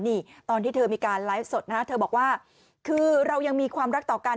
นี่ตอนที่เธอมีการไลฟ์สดนะฮะเธอบอกว่าคือเรายังมีความรักต่อกัน